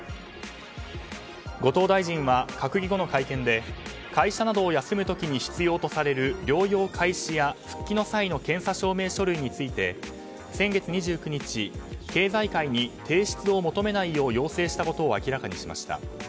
後藤大臣は閣議後の会見で会社などを休む時に必要とされる療養開始や復帰の際の検査証明書類について先月２９日、経済界に提出を求めないよう要請したことを明らかにしました。